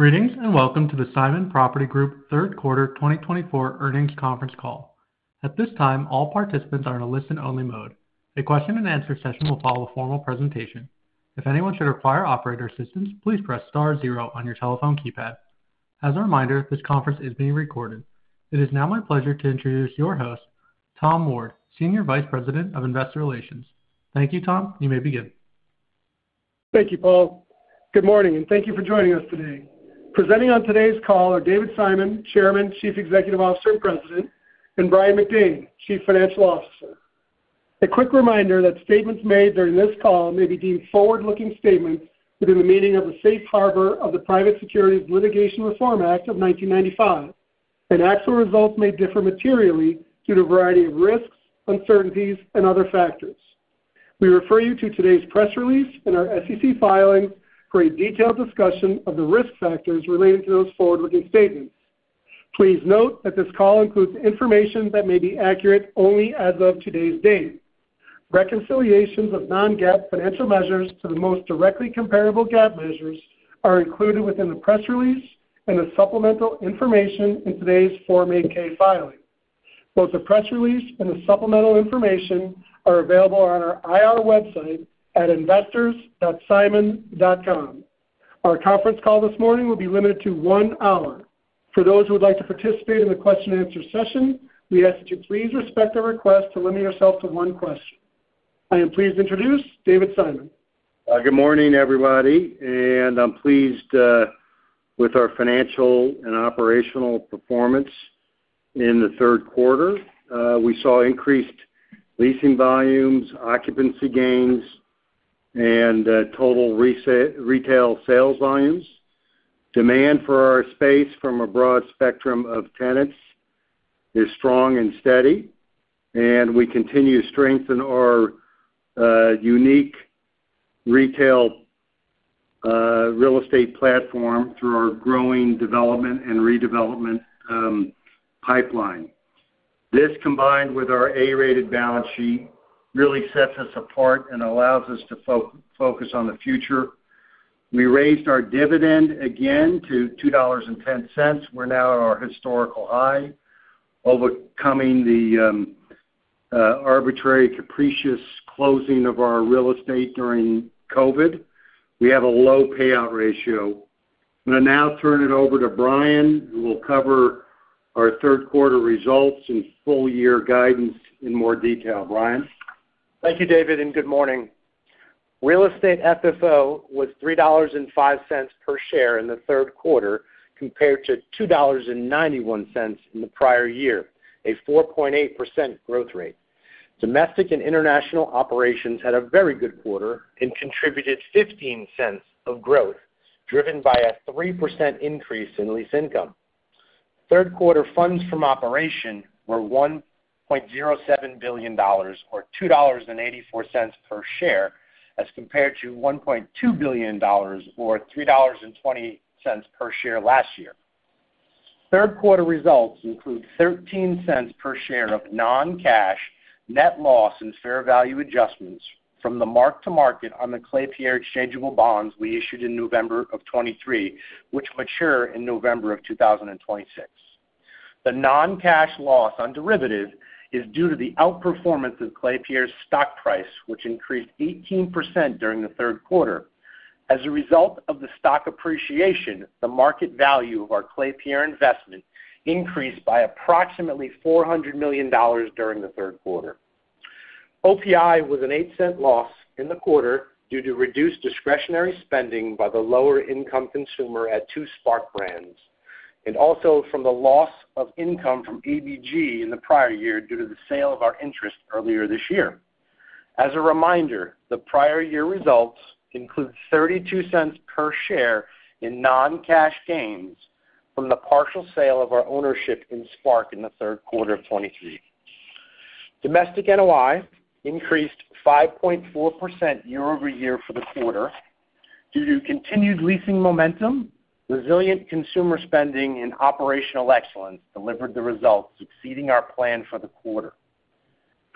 Greetings and welcome to the Simon Property Group third quarter 2024 earnings conference call. At this time, all participants are in a listen-only mode. A question-and-answer session will follow a formal presentation. If anyone should require operator assistance, please press star zero on your telephone keypad. As a reminder, this conference is being recorded. It is now my pleasure to introduce your host, Tom Ward, Senior Vice President of Investor Relations. Thank you, Tom. You may begin. Thank you, Paul. Good morning, and thank you for joining us today. Presenting on today's call are David Simon, Chairman, Chief Executive Officer and President, and Brian McDade, Chief Financial Officer. A quick reminder that statements made during this call may be deemed forward-looking statements within the meaning of the safe harbor of the Private Securities Litigation Reform Act of 1995, and actual results may differ materially due to a variety of risks, uncertainties, and other factors. We refer you to today's press release and our SEC filings for a detailed discussion of the risk factors relating to those forward-looking statements. Please note that this call includes information that may be accurate only as of today's date. Reconciliations of non-GAAP financial measures to the most directly comparable GAAP measures are included within the press release and the supplemental information in today's 8-K filing. Both the press release and the supplemental information are available on our IR website at investors.simon.com. Our conference call this morning will be limited to one hour. For those who would like to participate in the question-and-answer session, we ask that you please respect our request to limit yourself to one question. I am pleased to introduce David Simon. Good morning, everybody. I'm pleased with our financial and operational performance in the third quarter. We saw increased leasing volumes, occupancy gains, and total retail sales volumes. Demand for our space from a broad spectrum of tenants is strong and steady, and we continue to strengthen our unique retail real estate platform through our growing development and redevelopment pipeline. This, combined with our A-rated balance sheet, really sets us apart and allows us to focus on the future. We raised our dividend again to $2.10. We're now at our historical high, overcoming the arbitrary capricious closing of our real estate during COVID. We have a low payout ratio. I'm going to now turn it over to Brian, who will cover our third quarter results and full-year guidance in more detail. Brian. Thank you, David, and good morning. Real estate FFO was $3.05 per share in the third quarter compared to $2.91 in the prior year, a 4.8% growth rate. Domestic and international operations had a very good quarter and contributed $0.15 of growth, driven by a 3% increase in lease income. Third quarter funds from operation were $1.07 billion, or $2.84 per share, as compared to $1.2 billion, or $3.20 per share last year. Third quarter results include $0.13 per share of non-cash net loss and fair value adjustments from the mark-to-market on the Klépierre exchangeable bonds we issued in November of 2023, which mature in November of 2026. The non-cash loss on derivatives is due to the outperformance of Klépierre's stock price, which increased 18% during the third quarter. As a result of the stock appreciation, the market value of our Klépierre investment increased by approximately $400 million during the third quarter. FFO was an $0.08 loss in the quarter due to reduced discretionary spending by the lower-income consumer at two SPARC brands, and also from the loss of income from ABG in the prior year due to the sale of our interest earlier this year. As a reminder, the prior year results include $0.32 per share in non-cash gains from the partial sale of our ownership in SPARC in the third quarter of 2023. Domestic NOI increased 5.4% year-over-year for the quarter. Due to continued leasing momentum, resilient consumer spending, and operational excellence delivered the results, exceeding our plan for the quarter.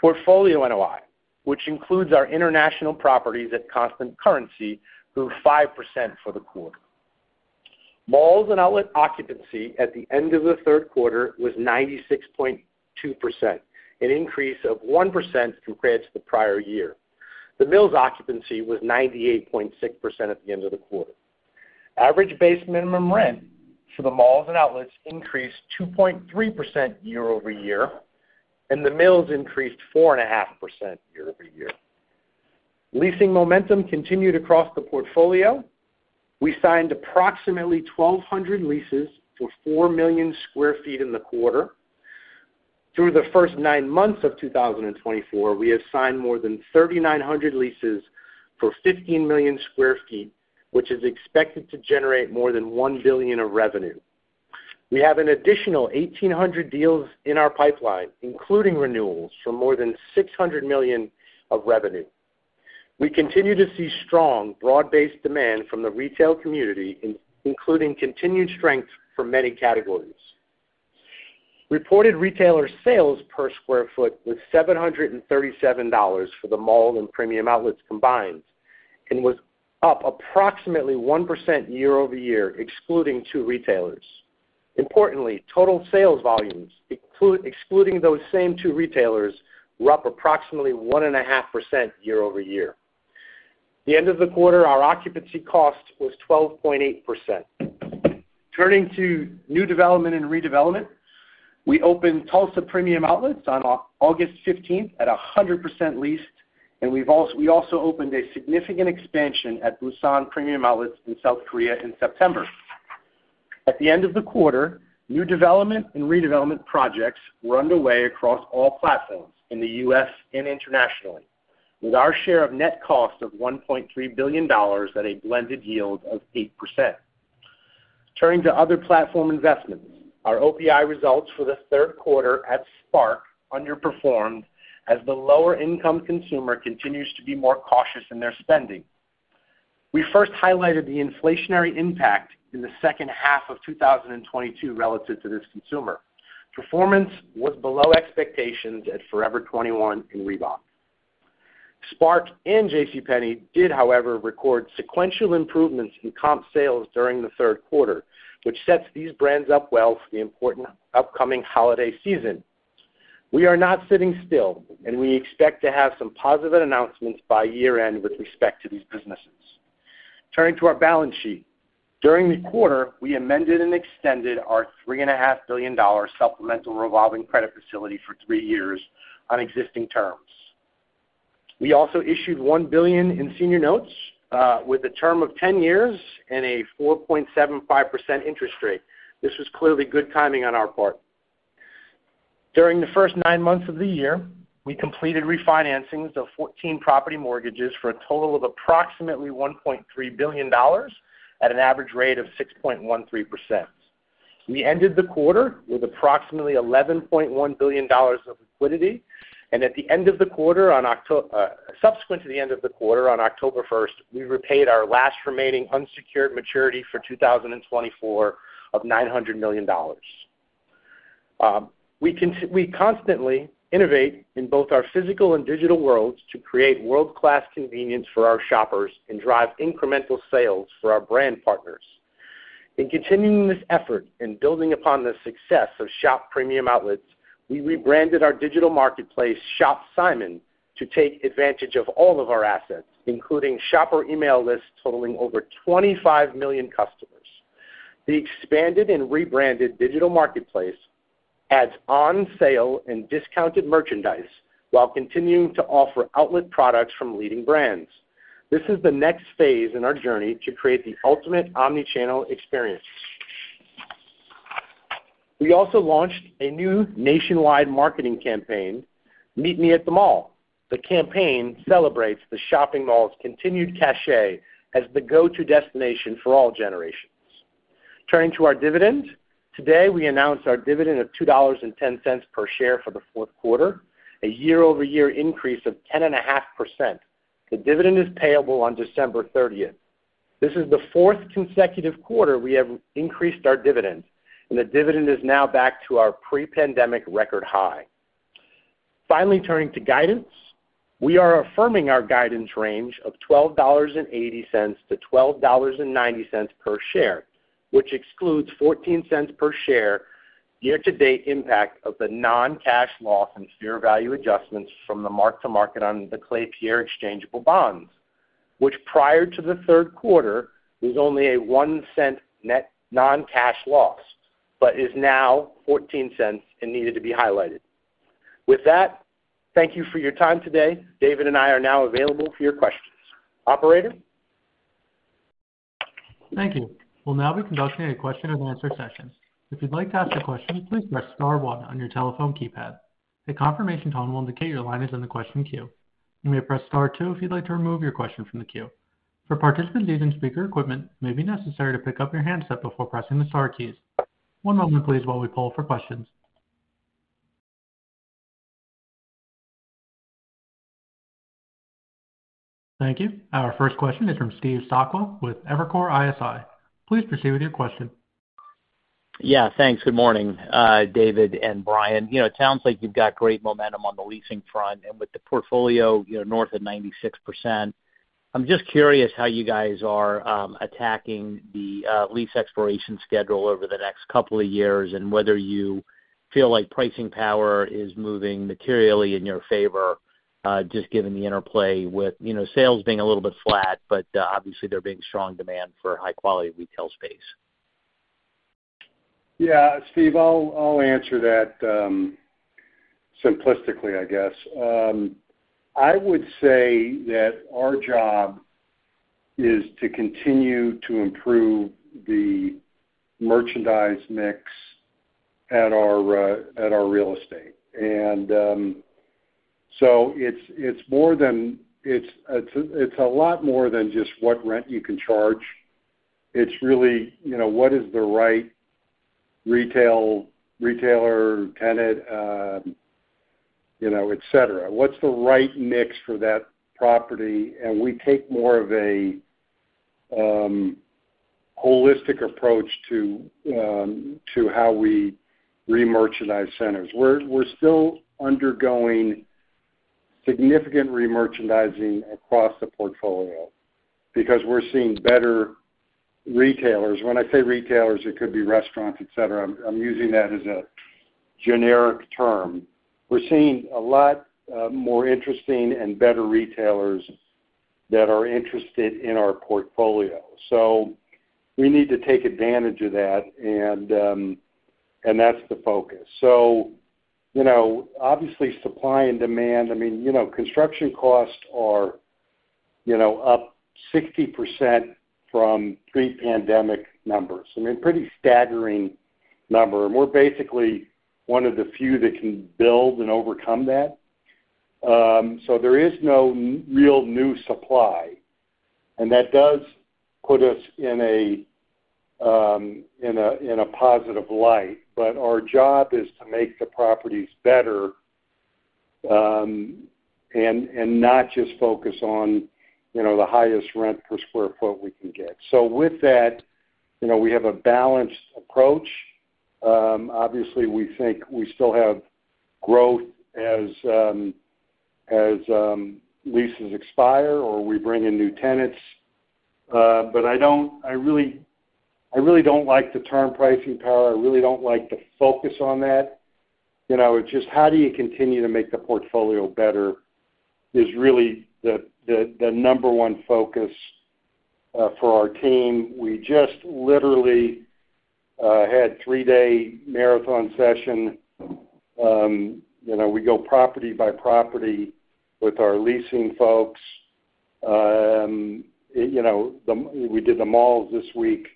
Portfolio NOI, which includes our international properties at constant currency, grew 5% for the quarter. Malls and outlet occupancy at the end of the third quarter was 96.2%, an increase of 1% compared to the prior year. The Mills occupancy was 98.6% at the end of the quarter. Average base minimum rent for the malls and outlets increased 2.3% year-over-year, and The Mills increased 4.5% year-over-year. Leasing momentum continued across the portfolio. We signed approximately 1,200 leases for 4 million sq ft in the quarter. Through the first nine months of 2024, we have signed more than 3,900 leases for 15 million sq ft, which is expected to generate more than $1 billion of revenue. We have an additional 1,800 deals in our pipeline, including renewals for more than $600 million of revenue. We continue to see strong broad-based demand from the retail community, including continued strength for many categories. Reported retailer sales per sq ft was $737 for the mall and premium outlets combined and was up approximately 1% year-over-year, excluding two retailers. Importantly, total sales volumes, excluding those same two retailers, were up approximately 1.5% year-over-year. At the end of the quarter, our occupancy cost was 12.8%. Turning to new development and redevelopment, we opened Tulsa Premium Outlets on August 15th at 100% leased, and we also opened a significant expansion at Busan Premium Outlets in South Korea in September. At the end of the quarter, new development and redevelopment projects were underway across all platforms in the U.S. and internationally, with our share of net cost of $1.3 billion at a blended yield of 8%. Turning to other platform investments, our OPI results for the third quarter at SPARC underperformed as the lower-income consumer continues to be more cautious in their spending. We first highlighted the inflationary impact in the second half of 2022 relative to this consumer. Performance was below expectations at Forever 21 and Reebok. SPARC and JCPenney did, however, record sequential improvements in comp sales during the third quarter, which sets these brands up well for the important upcoming holiday season. We are not sitting still, and we expect to have some positive announcements by year-end with respect to these businesses. Turning to our balance sheet, during the quarter, we amended and extended our $3.5 billion supplemental revolving credit facility for three years on existing terms. We also issued $1 billion in senior notes with a term of 10 years and a 4.75% interest rate. This was clearly good timing on our part. During the first nine months of the year, we completed refinancings of 14 property mortgages for a total of approximately $1.3 billion at an average rate of 6.13%. We ended the quarter with approximately $11.1 billion of liquidity, and at the end of the quarter, subsequent to the end of the quarter, on October 1st, we repaid our last remaining unsecured maturity for 2024 of $900 million. We constantly innovate in both our physical and digital worlds to create world-class convenience for our shoppers and drive incremental sales for our brand partners. In continuing this effort and building upon the success of Shop Premium Outlets, we rebranded our digital marketplace, Shop Simon, to take advantage of all of our assets, including shopper email lists totaling over 25 million customers. The expanded and rebranded digital marketplace adds on-sale and discounted merchandise while continuing to offer outlet products from leading brands. This is the next phase in our journey to create the ultimate omnichannel experience. We also launched a new nationwide marketing campaign, "Meet Me at the Mall." The campaign celebrates the shopping mall's continued cachet as the go-to destination for all generations. Turning to our dividend, today we announced our dividend of $2.10 per share for the fourth quarter, a year-over-year increase of 10.5%. The dividend is payable on December 30th. This is the fourth consecutive quarter we have increased our dividend, and the dividend is now back to our pre-pandemic record high. Finally, turning to guidance, we are affirming our guidance range of $12.80-$12.90 per share, which excludes $0.14 per share year-to-date impact of the non-cash loss and fair value adjustments from the mark-to-market on the Klépierre exchangeable bonds, which prior to the third quarter was only a $0.01 net non-cash loss but is now $0.14 and needed to be highlighted. With that, thank you for your time today. David and I are now available for your questions. Operator. Thank you. We'll now be conducting a question-and-answer session. If you'd like to ask a question, please press star one on your telephone keypad. A confirmation tone will indicate your line is in the question queue. You may press star two if you'd like to remove your question from the queue. For participants' needs and speaker equipment, it may be necessary to pick up your handset before pressing the star keys. One moment, please, while we poll for questions. Thank you. Our first question is from Steve Sakwa with Evercore ISI. Please proceed with your question. Yeah, thanks. Good morning, David and Brian. It sounds like you've got great momentum on the leasing front, and with the portfolio north of 96%, I'm just curious how you guys are attacking the lease expiration schedule over the next couple of years and whether you feel like pricing power is moving materially in your favor, just given the interplay with sales being a little bit flat, but obviously there being strong demand for high-quality retail space. Yeah, Steve, I'll answer that simplistically, I guess. I would say that our job is to continue to improve the merchandise mix at our real estate. So it's a lot more than just what rent you can charge. It's really what is the right retailer, tenant, etc. What's the right mix for that property? We take more of a holistic approach to how we re-merchandise centers. We're still undergoing significant re-merchandising across the portfolio because we're seeing better retailers. When I say retailers, it could be restaurants, etc. I'm using that as a generic term. We're seeing a lot more interesting and better retailers that are interested in our portfolio. So we need to take advantage of that, and that's the focus. So obviously, supply and demand, I mean, construction costs are up 60% from pre-pandemic numbers. I mean, pretty staggering number. We're basically one of the few that can build and overcome that. So there is no real new supply, and that does put us in a positive light. But our job is to make the properties better and not just focus on the highest rent per square foot we can get. So with that, we have a balanced approach. Obviously, we think we still have growth as leases expire or we bring in new tenants. But I really don't like the term pricing power. I really don't like the focus on that. It's just how do you continue to make the portfolio better is really the number one focus for our team. We just literally had a three-day marathon session. We go property by property with our leasing folks. We did the malls this week.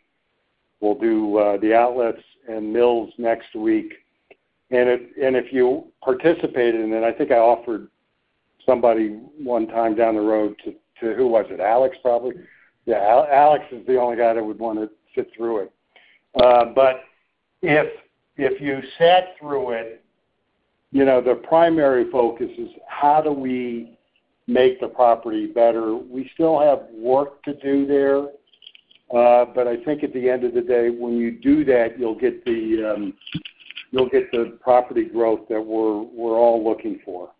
We'll do the outlets and Mills next week. If you participated in it, I think I offered somebody one time down the road to who was it Alex? Probably. Yeah, Alex is the only guy that would want to sit through it. But if you sat through it, the primary focus is how do we make the property better. We still have work to do there, but I think at the end of the day, when you do that, you'll get the property growth that we're all looking for.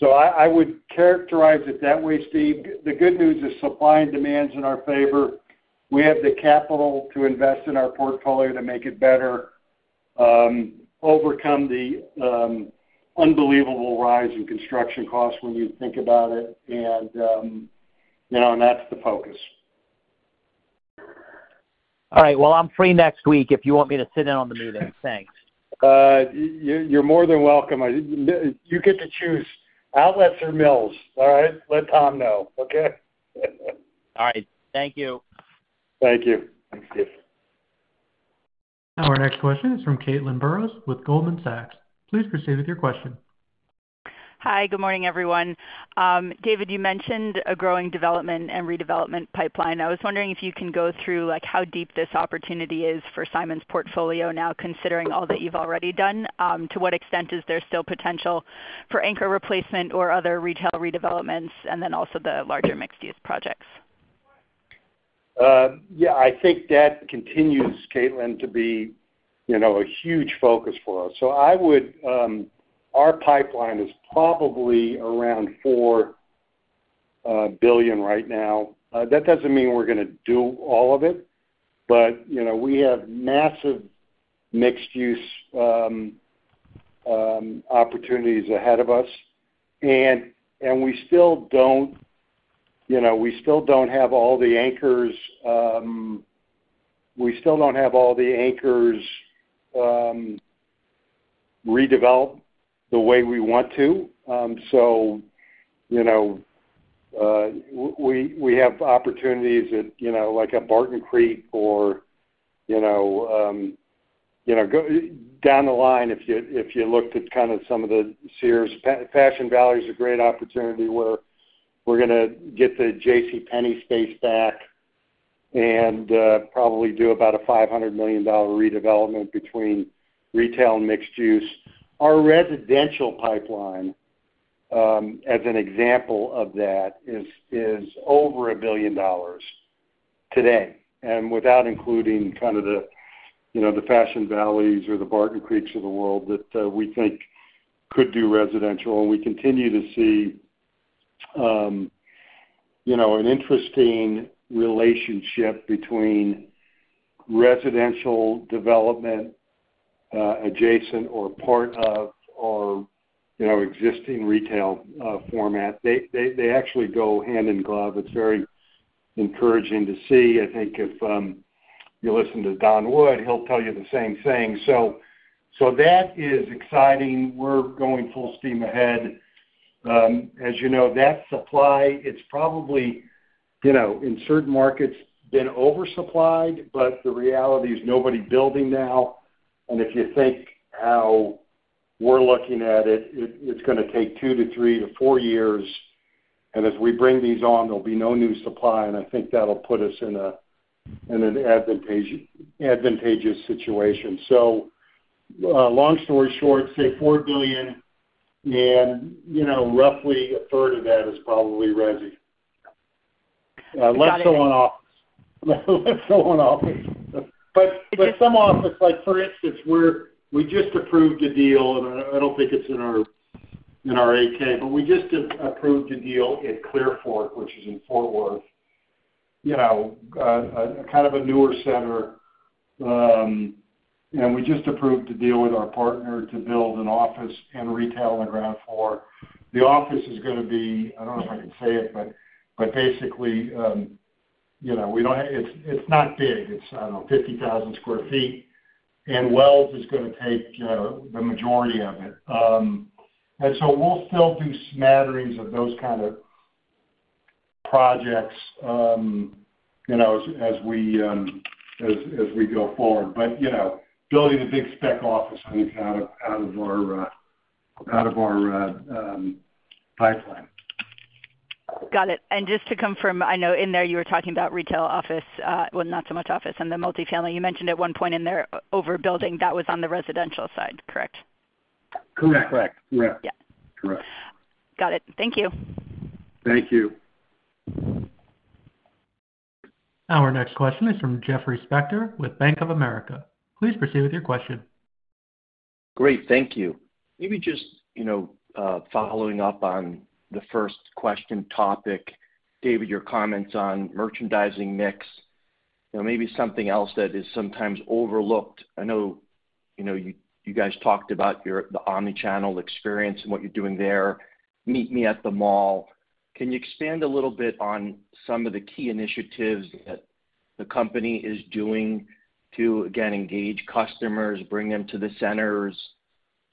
So I would characterize it that way, Steve. The good news is supply and demand's in our favor. We have the capital to invest in our portfolio to make it better, overcome the unbelievable rise in construction costs when you think about it, and that's the focus. All right. Well, I'm free next week if you want me to sit in on the meeting. Thanks. You're more than welcome. You get to choose Outlets or Mills, all right? Let Tom know, okay? All right. Thank you. Thank you. Thanks, Steve. Our next question is from Caitlin Burrows with Goldman Sachs. Please proceed with your question. Hi, good morning, everyone. David, you mentioned a growing development and redevelopment pipeline. I was wondering if you can go through how deep this opportunity is for Simon's portfolio now, considering all that you've already done. To what extent is there still potential for anchor replacement or other retail redevelopments, and then also the larger mixed-use projects? Yeah, I think that continues, Caitlin, to be a huge focus for us. So our pipeline is probably around $4 billion right now. That doesn't mean we're going to do all of it, but we have massive mixed-use opportunities ahead of us and we still don't have all the anchors redeveloped the way we want to. So we have opportunities at like a Barton Creek or down the line, if you looked at kind of some of the Sears Fashion Valley is a great opportunity where we're going to get the JCPenney space back and probably do about a $500 million redevelopment between retail and mixed-use. Our residential pipeline, as an example of that, is over $1 billion today, and without including kind of the Fashion Valleys or the Barton Creeks of the world that we think could do residential. We continue to see an interesting relationship between residential development adjacent or part of our existing retail format. They actually go hand in glove. It's very encouraging to see. I think if you listen to Don Wood, he'll tell you the same thing. So that is exciting. We're going full steam ahead. As you know, that supply, it's probably in certain markets been oversupplied, but the reality is nobody building now. If you think how we're looking at it, it's going to take two to three to four years. As we bring these on, there'll be no new supply, and I think that'll put us in an advantageous situation. So long story short, say $4 billion, and roughly a third of that is probably ready. Unless someone offers. Let's go on offers. Some office, like for instance, we just approved a deal, and I don't think it's in our 8-K, but we just approved a deal at Clearfork, which is in Fort Worth, kind of a newer center. We just approved a deal with our partner to build an office and retail on the ground floor. The office is going to be, I don't know if I can say it, but basically, we don't have, it's not big. It's, I don't know, 50,000 sq ft. Wells Fargo is going to take the majority of it. We'll still do smatterings of those kind of projects as we go forward, but building a big spec office is out of our pipeline. Got it. Just to confirm, I know in there you were talking about retail office, well, not so much office, and the multifamily. You mentioned at one point in there overbuilding. That was on the residential side, correct? Correct. Correct. Correct. Yeah. Got it. Thank you. Thank you. Our next question is from Jeffrey Spector with Bank of America. Please proceed with your question. Great. Thank you. Maybe just following up on the first question topic, David, your comments on merchandising mix, maybe something else that is sometimes overlooked. I know you guys talked about the omnichannel experience and what you're doing there, Meet Me at the Mall. Can you expand a little bit on some of the key initiatives that the company is doing to, again, engage customers, bring them to the centers,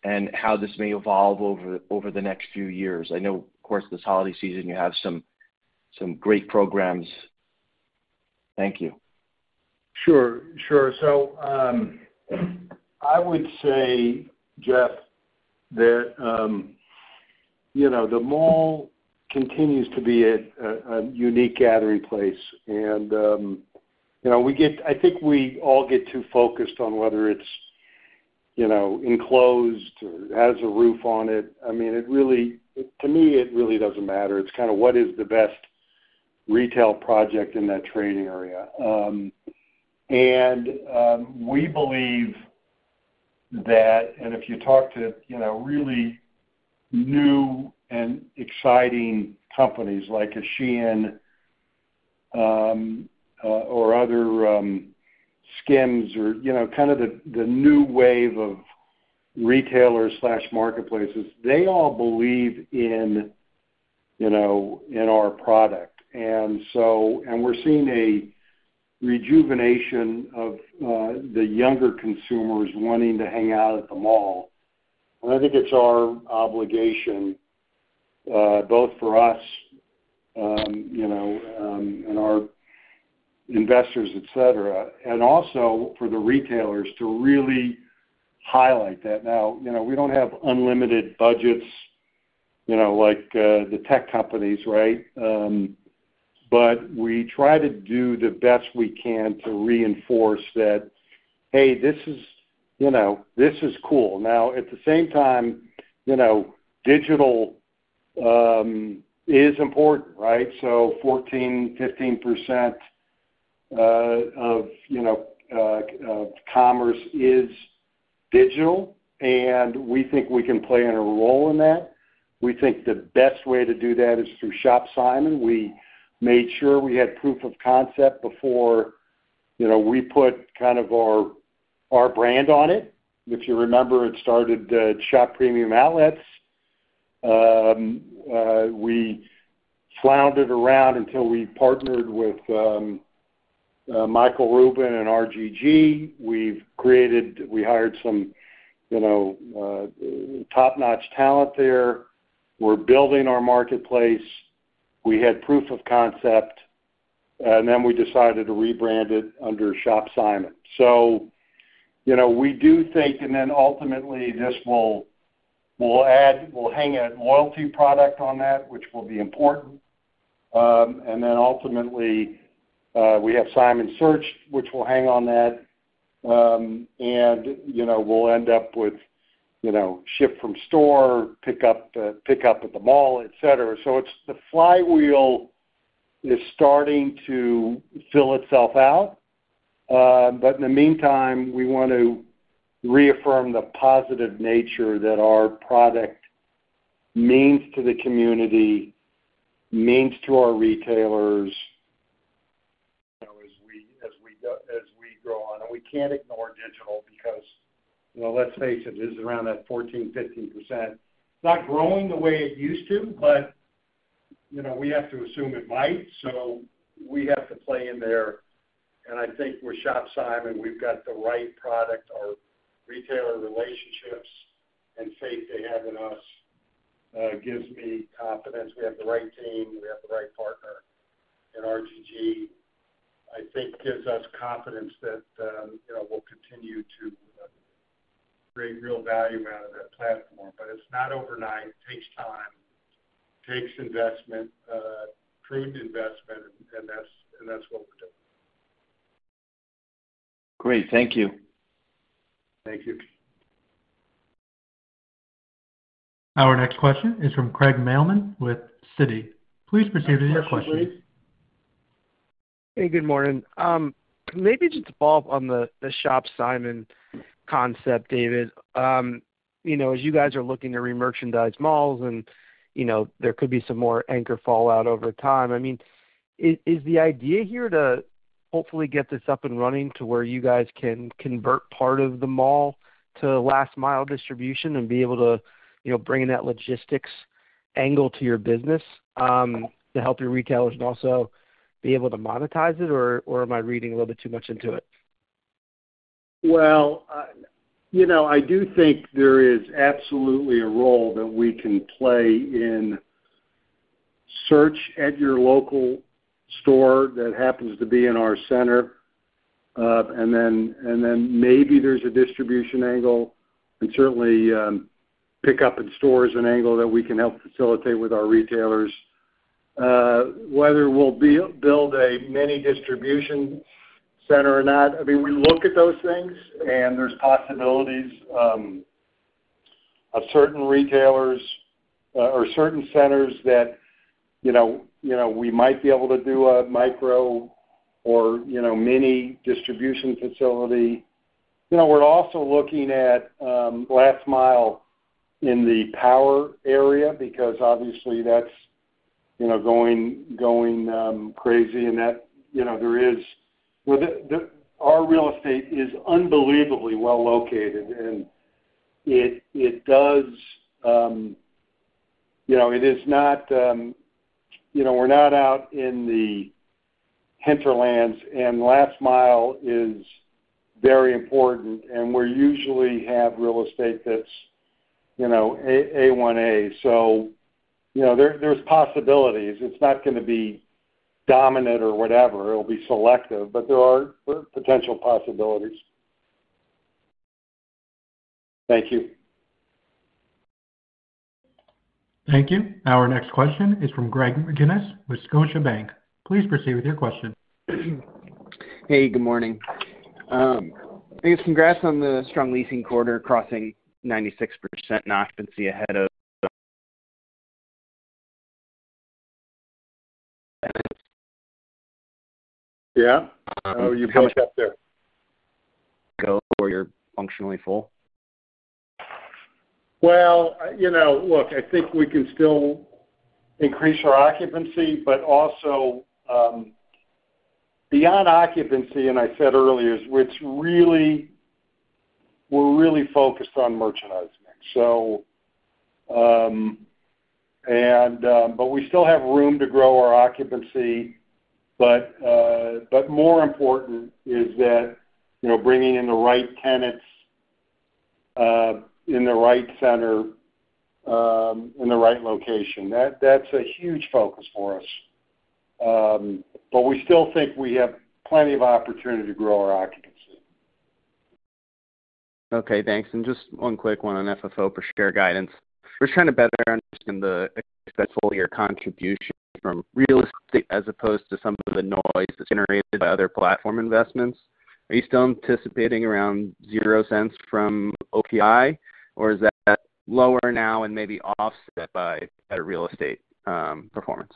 and how this may evolve over the next few years? I know, of course, this holiday season you have some great programs. Thank you. Sure. Sure. So I would say, Jeff, that the mall continues to be a unique gathering place and I think we all get too focused on whether it's enclosed or has a roof on it. I mean, to me, it really doesn't matter. It's kind of what is the best retail project in that trading area. We believe that, and if you talk to really new and exciting companies like Shein or other SKIMS or kind of the new wave of retailers/marketplaces, they all believe in our product. We're seeing a rejuvenation of the younger consumers wanting to hang out at the mall. I think it's our obligation, both for us and our investors, etc., and also for the retailers to really highlight that. Now, we don't have unlimited budgets like the tech companies, right? But we try to do the best we can to reinforce that, "Hey, this is cool." Now, at the same time, digital is important, right? So 14%-15% of commerce is digital, and we think we can play in a role in that. We think the best way to do that is through Shop Simon. We made sure we had proof of concept before we put kind of our brand on it. If you remember, it started Shop Premium Outlets. We floundered around until we partnered with Michael Rubin and RGG. We hired some top-notch talent there. We're building our marketplace. We had proof of concept, and then we decided to rebrand it under Shop Simon. So we do think, and then ultimately, this will hang a loyalty product on that, which will be important. Then ultimately, we have Simon Search, which will hang on that. We'll end up with Ship From Store, Pick Up At The Mall, etc. So the flywheel is starting to fill itself out. But in the meantime, we want to reaffirm the positive nature that our product means to the community, means to our retailers as we grow on and we can't ignore digital because, let's face it, it is around that 14%-15%. It's not growing the way it used to, but we have to assume it might. So we have to play in there and I think with Shop Simon, we've got the right product. Our retailer relationships and faith they have in us gives me confidence. We have the right team. We have the right partner and RGG, I think, gives us confidence that we'll continue to create real value out of that platform. But it's not overnight. It takes time. It takes investment, prudent investment, and that's what we're doing. Great. Thank you. Thank you. Our next question is from Craig Mailman with Citi. Please proceed with your question. Hey, good morning. Maybe just to follow up on the Shop Simon concept, David. As you guys are looking to re-merchandise malls, and there could be some more anchor fallout over time, I mean, is the idea here to hopefully get this up and running to where you guys can convert part of the mall to last-mile distribution and be able to bring in that logistics angle to your business to help your retailers and also be able to monetize it, or am I reading a little bit too much into it? I do think there is absolutely a role that we can play in search at your local store that happens to be in our center. Then maybe there's a distribution angle, and certainly, pick up in stores is an angle that we can help facilitate with our retailers. Whether we'll build a mini distribution center or not, I mean, we look at those things, and there's possibilities of certain retailers or certain centers that we might be able to do a micro or mini distribution facility. We're also looking at last-mile in the power area because, obviously, that's going crazy. Our real estate is unbelievably well located, and it is not. We're not out in the hinterlands, and last-mile is very important. We usually have real estate that's A1A. So there's possibilities. It's not going to be dominant or whatever. It'll be selective, but there are potential possibilities. Thank you. Thank you. Our next question is from Greg McGinnis with Scotiabank. Please proceed with your question. Hey, good morning. Thanks. Congrats on the strong leasing quarter, crossing 96%. Knock and see ahead of. Yeah. How much up there? Go or you're functionally full? Well, look, I think we can still increase our occupancy, but also beyond occupancy, and I said earlier, we're really focused on merchandising. But we still have room to grow our occupancy, but more important is that bringing in the right tenants in the right center in the right location. That's a huge focus for us. But we still think we have plenty of opportunity to grow our occupancy. Okay. Thanks. Just one quick one on FFO per share guidance. We're trying to better understand the success of your contribution from real estate as opposed to some of the noise that's generated by other platform investments. Are you still anticipating around zero cents from OPI, or is that lower now and maybe offset by better real estate performance?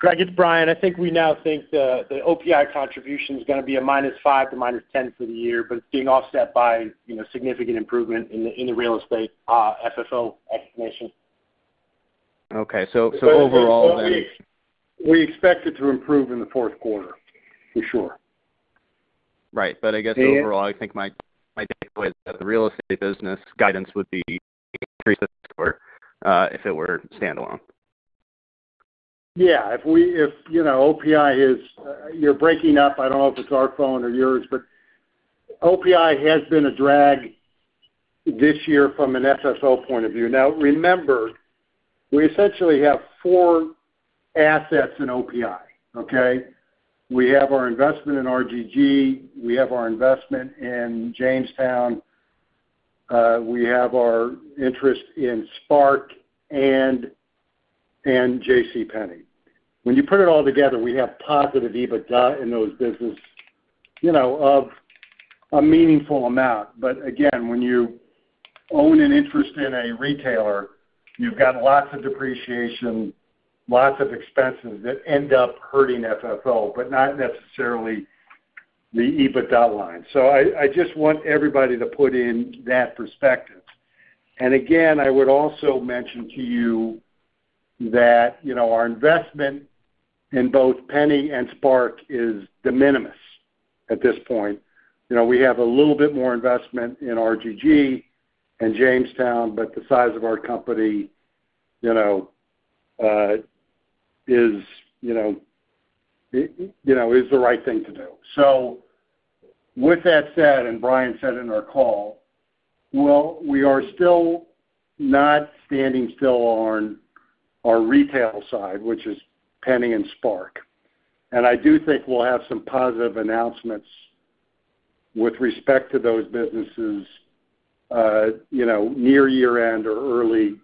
Greg, it's Brian. I think we now think the OPI contribution is going to be a -5 to -10 for the year, but it's being offset by significant improvement in the real estate FFO estimation. Okay. So overall then. We expect it to improve in the fourth quarter, for sure. Right. But I guess overall, I think my takeaway is that the real estate business guidance would be increased this quarter if it were standalone. Yeah. If OPI is you're breaking up. I don't know if it's our phone or yours, but OPI has been a drag this year from an FFO point of view. Now, remember, we essentially have four assets in OPI, okay? We have our investment in RGG. We have our investment in Jamestown. We have our interest in SPARC and JCPenney. When you put it all together, we have positive EBITDA in those businesses of a meaningful amount. But again, when you own an interest in a retailer, you've got lots of depreciation, lots of expenses that end up hurting FFO, but not necessarily the EBITDA line. So I just want everybody to put in that perspective. Again, I would also mention to you that our investment in both JCPenney and SPARC is de minimis at this point. We have a little bit more investment in RGG and Jamestown, but the size of our company is the right thing to do, so with that said, and Brian said in our call, well, we are still not standing still on our retail side, which is Penney and SPARC and I do think we'll have some positive announcements with respect to those businesses near year-end or early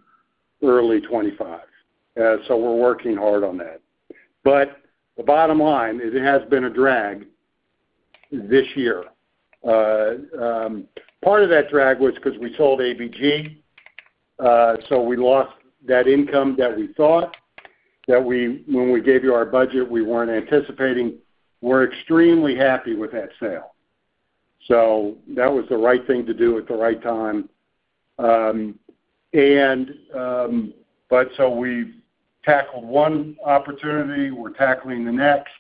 2025, so we're working hard on that. But the bottom line is it has been a drag this year. Part of that drag was because we sold ABG, so we lost that income that we thought that when we gave you our budget, we weren't anticipating. We're extremely happy with that sale, so that was the right thing to do at the right time, but so we've tackled one opportunity. We're tackling the next.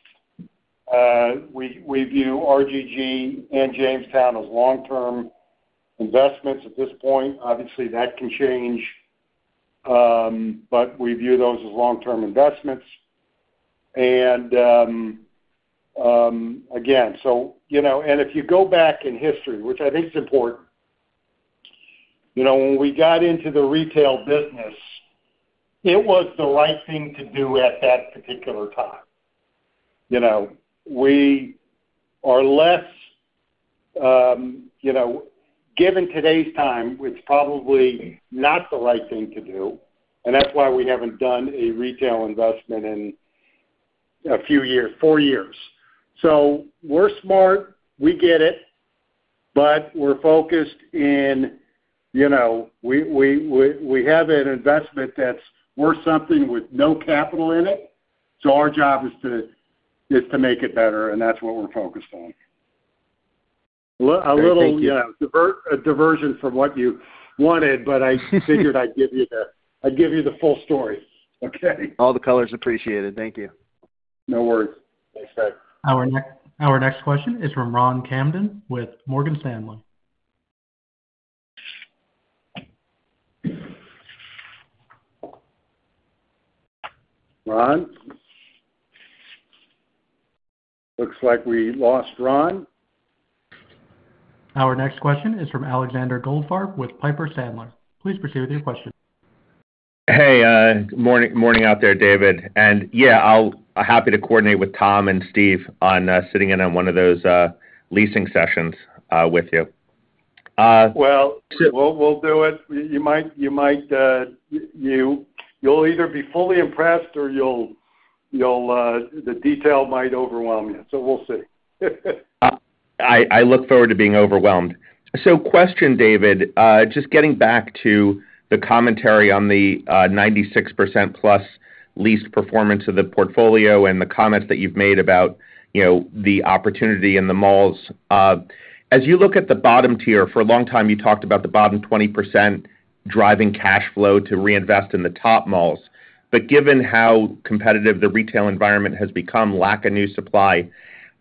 We view RGG and Jamestown as long-term investments at this point. Obviously, that can change, but we view those as long-term investments, and again, so and if you go back in history, which I think is important, when we got into the retail business, it was the right thing to do at that particular time. We are less given today's time, it's probably not the right thing to do, and that's why we haven't done a retail investment in a few years, four years, so we're smart. We get it, but we're focused in we have an investment that's worth something with no capital in it, so our job is to make it better, and that's what we're focused on. Thank you. A little diversion from what you wanted, but I figured I'd give you the full story, okay? All the colors appreciated. Thank you. No worries. Thanks, Greg. Our next question is from Ron Kamdem with Morgan Stanley. Ron? Looks like we lost Ron. Our next question is from Alexander Goldfarb with Piper Sandler. Please proceed with your question. Hey, good morning out there, David. Yeah, I'm happy to coordinate with Tom and Steve on sitting in on one of those leasing sessions with you. We'll do it. You'll either be fully impressed or the detail might overwhelm you, so we'll see. I look forward to being overwhelmed. So question, David, just getting back to the commentary on the 96%+ leased performance of the portfolio and the comments that you've made about the opportunity in the malls. As you look at the bottom tier, for a long time, you talked about the bottom 20% driving cash flow to reinvest in the top malls. But given how competitive the retail environment has become, lack of new supply,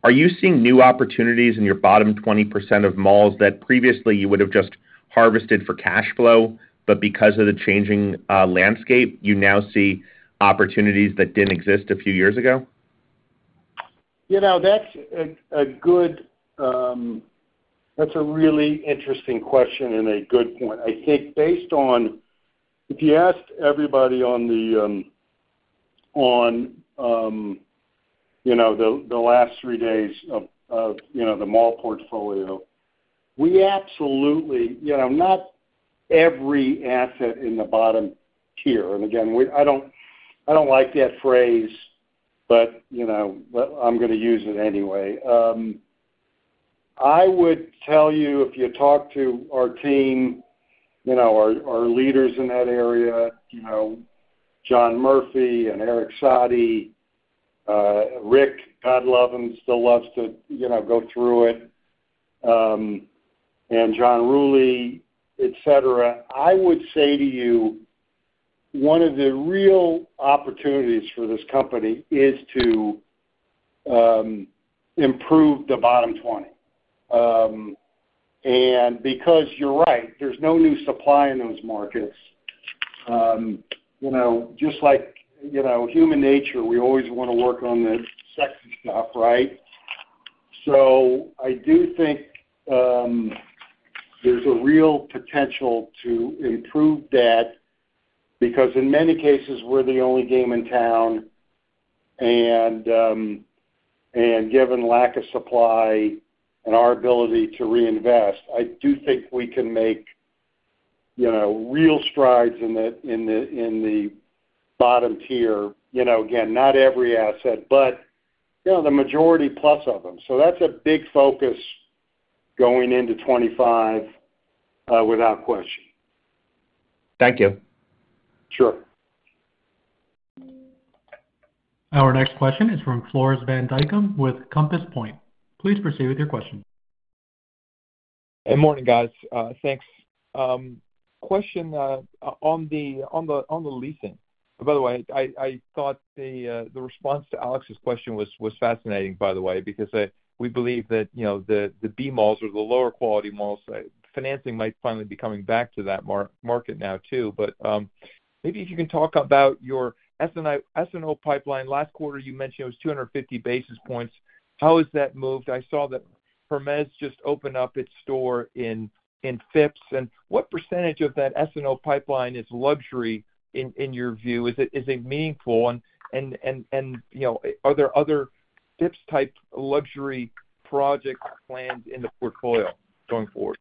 are you seeing new opportunities in your bottom 20% of malls that previously you would have just harvested for cash flow, but because of the changing landscape, you now see opportunities that didn't exist a few years ago? That's a really interesting question and a good point. I think based on if you asked everybody on the last three days of the mall portfolio, we absolutely not every asset in the bottom tier. Again, I don't like that phrase, but I'm going to use it anyway. I would tell you, if you talk to our team, our leaders in that area, John Murphy and Eric Sadi, Rick Sokolov still loves to go through it, and John Rulli, etc., I would say to you, one of the real opportunities for this company is to improve the bottom 20 and because you're right, there's no new supply in those markets. Just like human nature, we always want to work on the sexy stuff, right? So I do think there's a real potential to improve that because in many cases, we're the only game in town. Given lack of supply and our ability to reinvest, I do think we can make real strides in the bottom tier. Again, not every asset, but the majority plus of them. So that's a big focus going into 2025 without question. Thank you. Sure. Our next question is from Floris van Dijkum with Compass Point. Please proceed with your question. Hey, morning, guys. Thanks. Question on the leasing. By the way, I thought the response to Alex's question was fascinating, by the way, because we believe that the B malls or the lower quality malls, financing might finally be coming back to that market now too. But maybe if you can talk about your SNO pipeline. Last quarter, you mentioned it was 250 basis points. How has that moved? I saw that Hermès just opened up its store in Phipps and what percentage of that SNO pipeline is luxury in your view? Is it meaningful? Are there other Phipps-type luxury projects planned in the portfolio going forward?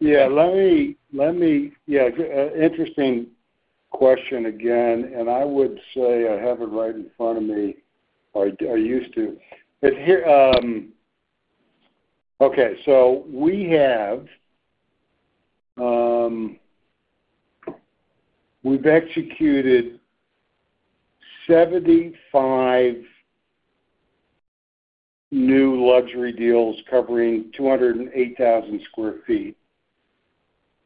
Yeah. Let me. Yeah, interesting question again and I would say I have it right in front of me. I used to. Okay. So we've executed 75 new luxury deals covering 208,000 sq ft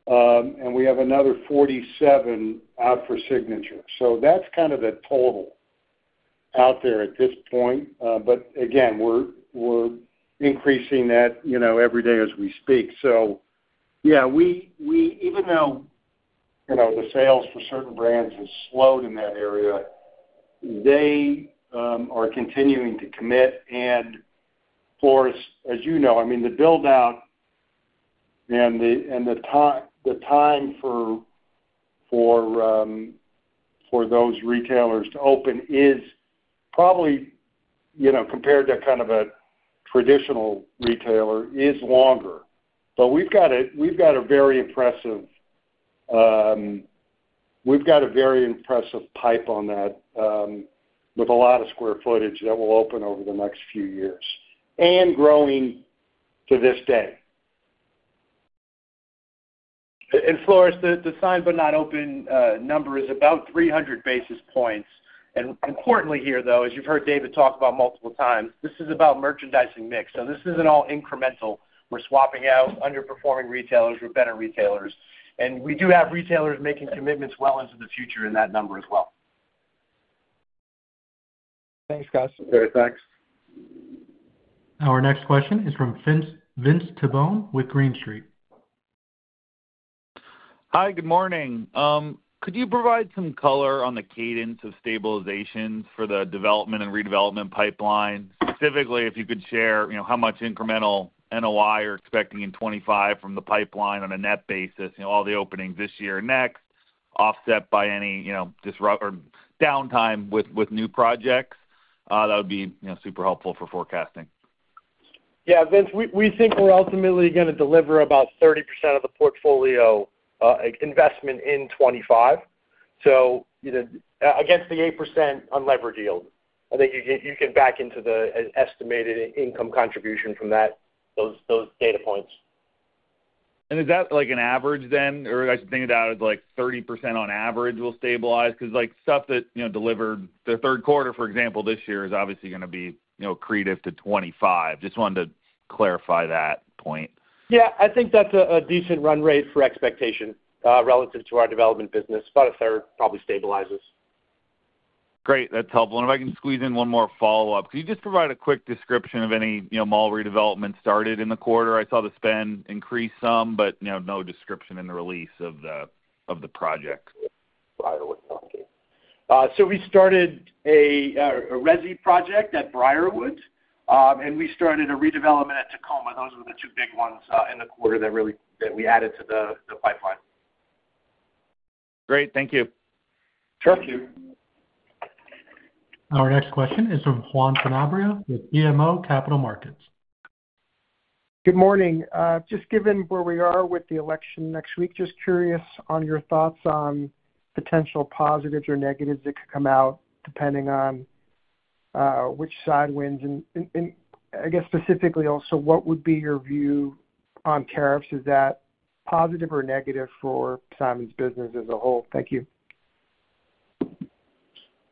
and we have another 47 out for signature. So that's kind of the total out there at this point. But again, we're increasing that every day as we speak. So yeah, even though the sales for certain brands have slowed in that area, they are continuing to commit. Floris, as you know, I mean, the buildout and the time for those retailers to open is probably compared to kind of a traditional retailer is longer. But we've got a very impressive pipe on that with a lot of square footage that will open over the next few years and growing to this day. Floris, the signed but not open number is about 300 basis points, and importantly here, though, as you've heard David talk about multiple times, this is about merchandising mix. So this isn't all incremental. We're swapping out underperforming retailers with better retailers, and we do have retailers making commitments well into the future in that number as well. Thanks, guys. Okay. Thanks. Our next question is from Vince Tabone with Green Street. Hi, good morning. Could you provide some color on the cadence of stabilizations for the development and redevelopment pipeline? Specifically, if you could share how much incremental NOI you're expecting in 2025 from the pipeline on a net basis, all the openings this year and next, offset by any disruption or downtime with new projects. That would be super helpful for forecasting. Yeah. Vince, we think we're ultimately going to deliver about 30% of the portfolio investment in 2025. So against the 8% unlevered yield, I think you can back into the estimated income contribution from those data points. Is that an average then or I should think of that as 30% on average will stabilize, because stuff that delivered the third quarter, for example, this year is obviously going to be accretive to 2025? Just wanted to clarify that point. Yeah. I think that's a decent run rate for expectation relative to our development business. About a third probably stabilizes. Great. That's helpful. If I can squeeze in one more follow-up, could you just provide a quick description of any mall redevelopment started in the quarter? I saw the spend increase some, but no description in the release of the project. Briarwood, thank you. So we started a resi project at Briarwood and we started a redevelopment at Tacoma. Those were the two big ones in the quarter that we added to the pipeline. Great. Thank you. Thank you. Our next question is from Juan Sanabria with BMO Capital Markets. Good morning. Just given where we are with the election next week, just curious on your thoughts on potential positives or negatives that could come out depending on which side wins, and I guess specifically also, what would be your view on tariffs? Is that positive or negative for Simon's business as a whole? Thank you.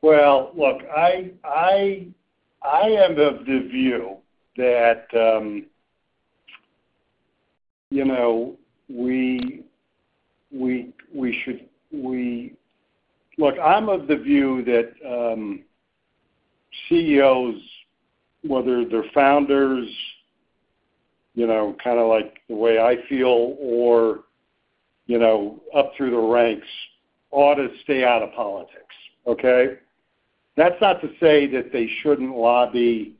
Well, look, I'm of the view that CEOs, whether they're founders, kind of like the way I feel, or up through the ranks, ought to stay out of politics, okay? That's not to say that they shouldn't lobby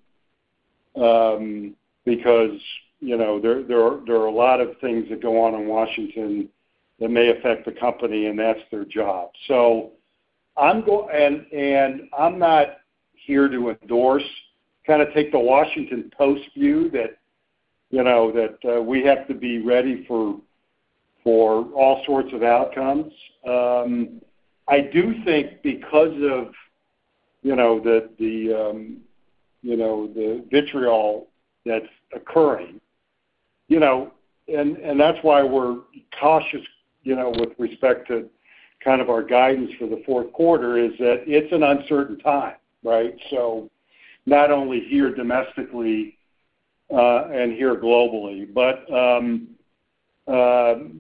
because there are a lot of things that go on in Washington that may affect the company, and that's their job. I'm not here to endorse, kind of take the Washington Post view that we have to be ready for all sorts of outcomes. I do think because of the vitriol that's occurring, and that's why we're cautious with respect to kind of our guidance for the fourth quarter, is that it's an uncertain time, right? So not only here domestically and here globally. But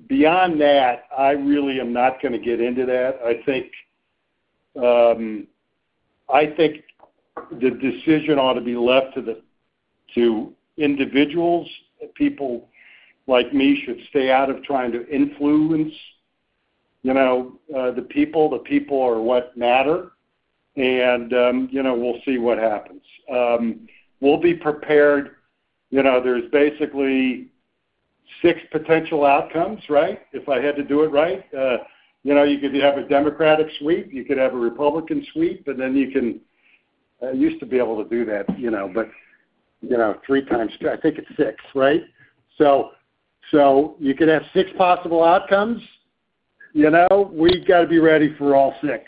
beyond that, I really am not going to get into that. I think the decision ought to be left to individuals. People like me should stay out of trying to influence the people. The people are what matter, and we'll see what happens. We'll be prepared. There's basically six potential outcomes, right, if I had to do it right. You could have a Democratic sweep. You could have a Republican sweep. Then you can. I used to be able to do that, but 3×2, I think it's six, right? So you could have six possible outcomes. We've got to be ready for all six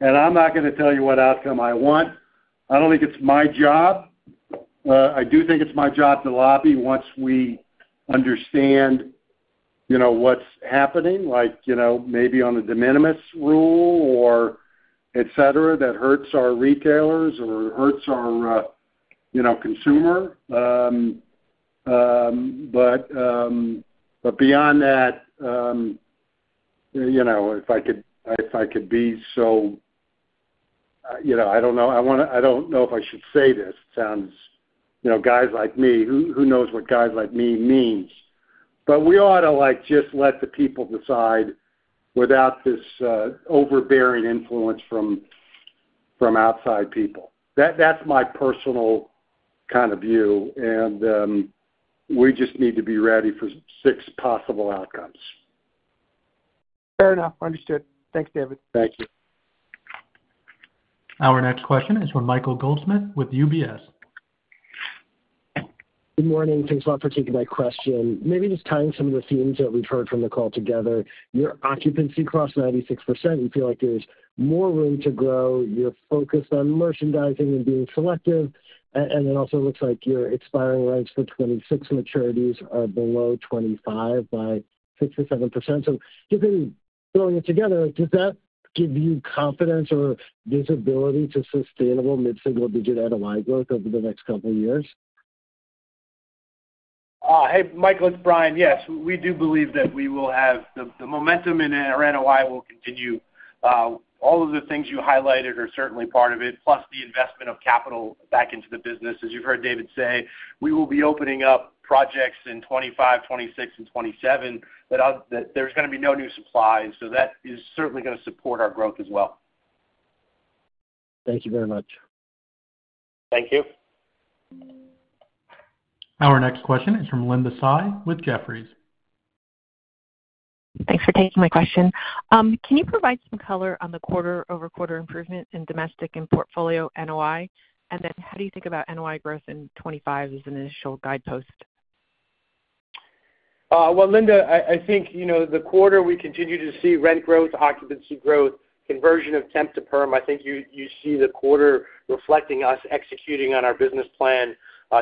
and I'm not going to tell you what outcome I want. I don't think it's my job. I do think it's my job to lobby once we understand what's happening, like maybe on a de minimis rule or etc., that hurts our retailers or hurts our consumer. But beyond that, if I could be so, I don't know. I don't know if I should say this. It sounds like guys like me. Who knows what guys like me means? But we ought to just let the people decide without this overbearing influence from outside people. That's my personal kind of view, and we just need to be ready for six possible outcomes. Fair enough. Understood. Thanks, David. Thank you. Our next question is from Michael Goldsmith with UBS. Good morning. Thanks a lot for taking my question. Maybe just tying some of the themes that we've heard from the call together. Your occupancy crossed 96%. You feel like there's more room to grow. You're focused on merchandising and being selective, and it also looks like your expiring rents for 26 maturities are below 25 by 6% or 7%. So just maybe throwing it together, does that give you confidence or visibility to sustainable mid-single-digit NOI growth over the next couple of years? Hey, Michael, it's Brian. Yes. We do believe that the momentum in NOI will continue. All of the things you highlighted are certainly part of it, plus the investment of capital back into the business. As you've heard David say, we will be opening up projects in 2025, 2026, and 2027 that there's going to be no new supplies. So that is certainly going to support our growth as well. Thank you very much. Thank you. Our next question is from Linda Tsai with Jefferies. Thanks for taking my question. Can you provide some color on the quarter-over-quarter improvement in domestic and portfolio NOI? Then how do you think about NOI growth in 2025 as an initial guidepost? Linda, I think the quarter we continue to see rent growth, occupancy growth, conversion of temp to perm. I think you see the quarter reflecting us executing on our business plan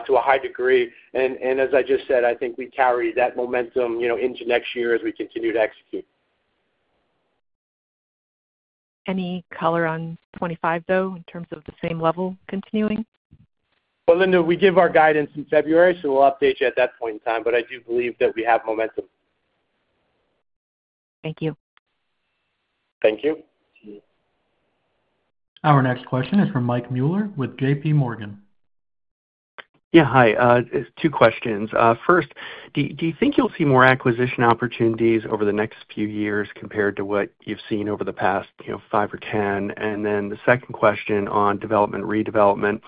to a high degree. As I just said, I think we carry that momentum into next year as we continue to execute. Any color on 2025, though, in terms of the same level continuing? Linda, we give our guidance in February, so we'll update you at that point in time. But I do believe that we have momentum. Thank you. Thank you. Our next question is from Mike Mueller with J.P. Morgan. Yeah. Hi. Two questions. First, do you think you'll see more acquisition opportunities over the next few years compared to what you've seen over the past five or 10? Then the second question on development redevelopment.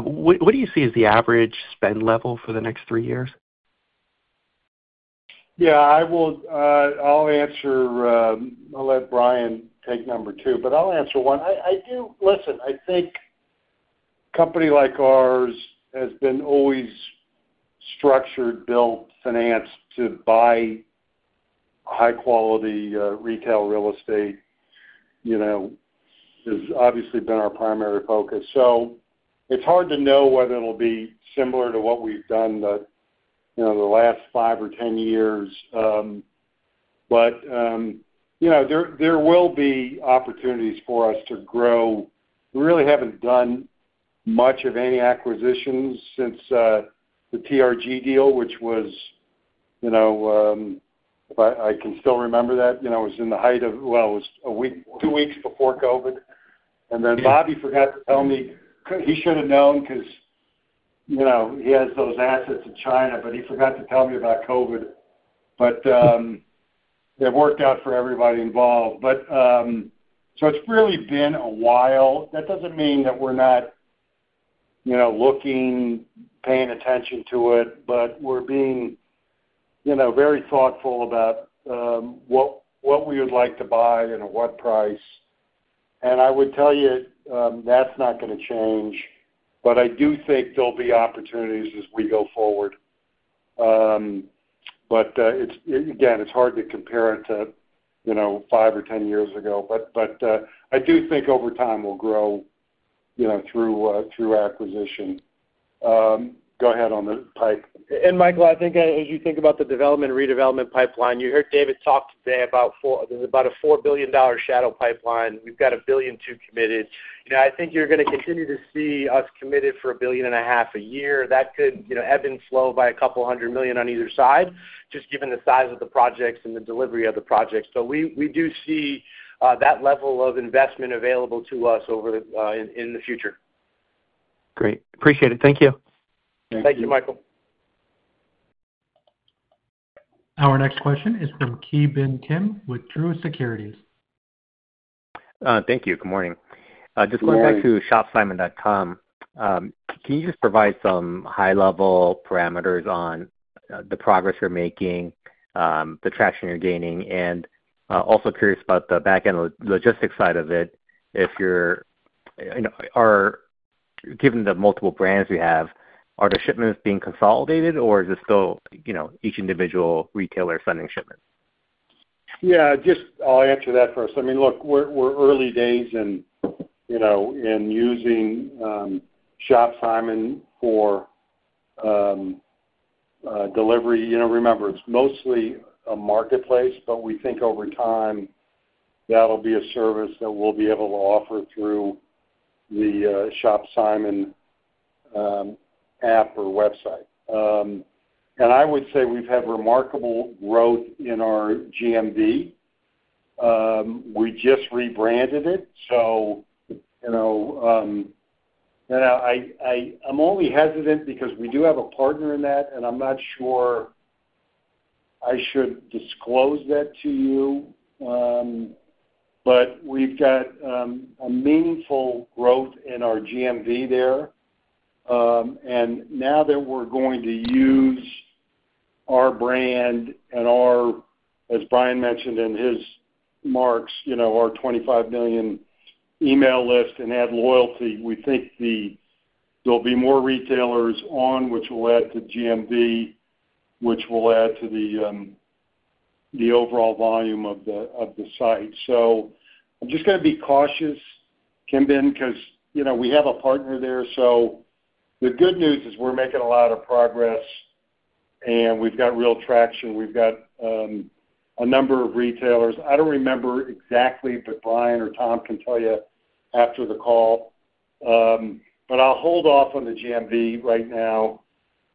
What do you see as the average spend level for the next three years? Yeah. I'll let Brian take number two, but I'll answer one. Listen, I think a company like ours has been always structured, built, financed to buy high-quality retail real estate. It's obviously been our primary focus. So it's hard to know whether it'll be similar to what we've done the last five or 10 years. But there will be opportunities for us to grow. We really haven't done much of any acquisitions since the TRG deal, which was, if I can still remember that, was in the height of well, it was two weeks before COVID. Then Bobby forgot to tell me. He should have known because he has those assets in China, but he forgot to tell me about COVID. But it worked out for everybody involved. So it's really been a while. That doesn't mean that we're not looking, paying attention to it, but we're being very thoughtful about what we would like to buy and at what price and I would tell you that's not going to change. But I do think there'll be opportunities as we go forward. But again, it's hard to compare it to five or 10 years ago. But I do think over time we'll grow through acquisition. Go ahead on the line. Michael, I think as you think about the development redevelopment pipeline, you heard David talk today about there's about a $4 billion shadow pipeline. We've got a billion two committed. I think you're going to continue to see us committed for a billion and a half a year. That could ebb and flow by a couple hundred million on either side, just given the size of the projects and the delivery of the projects. But we do see that level of investment available to us in the future. Great. Appreciate it. Thank you. Thank you, Michael. Our next question is from Ki Bin Kim with Truist Securities. Thank you. Good morning. Just going back to ShopSimon.com, can you just provide some high-level parameters on the progress you're making, the traction you're gaining? Also curious about the back-end logistics side of it. Given the multiple brands we have, are the shipments being consolidated, or is it still each individual retailer sending shipments? Yeah. Just I'll answer that first. I mean, look, we're early days in using Shop Simon for delivery. Remember, it's mostly a marketplace, but we think over time that'll be a service that we'll be able to offer through the Shop Simon app or website, and I would say we've had remarkable growth in our GMV. We just rebranded it. So I'm only hesitant because we do have a partner in that, and I'm not sure I should disclose that to you. But we've got a meaningful growth in our GMV there and now that we're going to use our brand and our, as Brian mentioned in his remarks, our 25 million email list and add loyalty, we think there'll be more retailers on, which will add to GMV, which will add to the overall volume of the site. I'm just going to be cautious, Ki Bin Kim, because we have a partner there. The good news is we're making a lot of progress, and we've got real traction. We've got a number of retailers. I don't remember exactly, but Brian or Tom can tell you after the call. But I'll hold off on the GMV right now.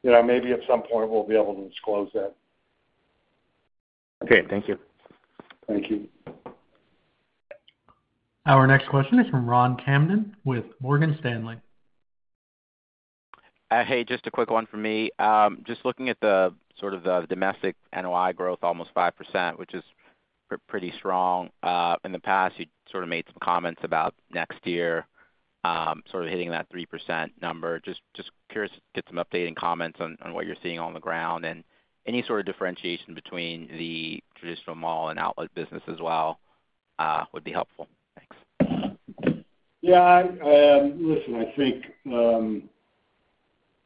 Maybe at some point we'll be able to disclose that. Okay. Thank you. Thank you. Our next question is from Ron Kamdem with Morgan Stanley. Hey, just a quick one for me. Just looking at the sort of domestic NOI growth, almost 5%, which is pretty strong. In the past, you sort of made some comments about next year sort of hitting that 3% number. Just curious to get some updating comments on what you're seeing on the ground and any sort of differentiation between the traditional mall and outlet business as well would be helpful. Thanks. Yeah. Listen, I think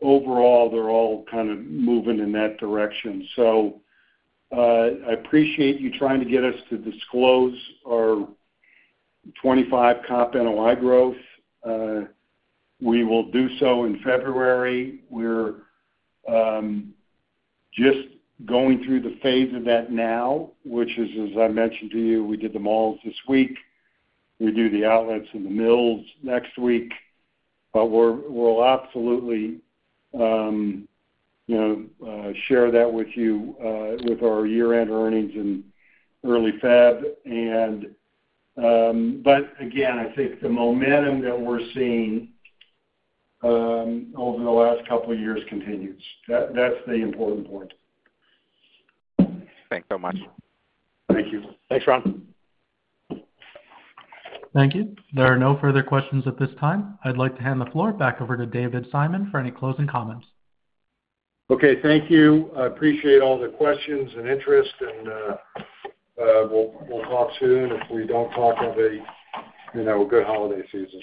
overall they're all kind of moving in that direction. So I appreciate you trying to get us to disclose our 25 comp NOI growth. We will do so in February. We're just going through the phase of that now, which is, as I mentioned to you, we did the malls this week. We do the outlets and The Mills next week. But we'll absolutely share that with you with our year-end earnings and early February. But again, I think the momentum that we're seeing over the last couple of years continues. That's the important point. Thanks so much. Thank you. Thanks, Ron. Thank you. There are no further questions at this time. I'd like to hand the floor back over to David Simon for any closing comments. Okay. Thank you. I appreciate all the questions and interest, and we'll talk soon. If we don't talk, have a good holiday season.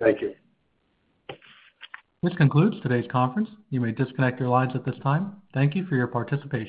Thank you. This concludes today's conference. You may disconnect your lines at this time. Thank you for your participation.